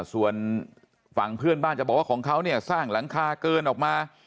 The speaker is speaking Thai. ส่วนฝั่งเพื่อนบ้านจะบอกว่าของเขาเนี่ยสร้างหลังคาเกินออกมา